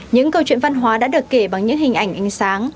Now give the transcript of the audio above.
những câu chuyện văn hóa đã được kể bằng những hình ảnh ánh sáng